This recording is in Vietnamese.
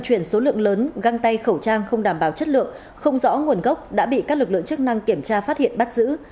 không rõ nguồn gốc đã bị các lực lượng chức năng kiểm tra phát hiện bắt giữ